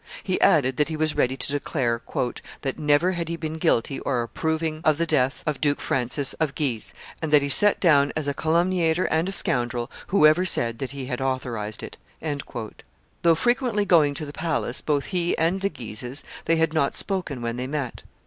He added that he was ready to declare "that never had he been guilty or approving of the death of Duke Francis of Guise, and that he set down as a calumniator and a scoundrel whoever said, that he had authorized it." Though frequently going to the palace, both he and the Guises, they had not spoken when they met.